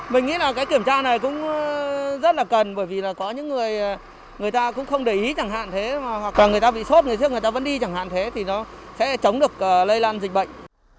mình nghĩ là cái kiểm tra này cũng rất là cần bởi vì là có những người người ta cũng không để ý chẳng hạn thế hoặc là người ta bị sốt người thường người ta vẫn đi chẳng hạn thế thì nó sẽ chống được lây lan dịch bệnh